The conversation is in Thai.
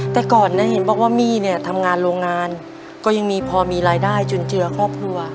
แต่ก่อนนะเห็นบอกว่ามี่เนี่ยทำงานโรงงานก็ยังมีพอมีรายได้จุนเจือครอบครัว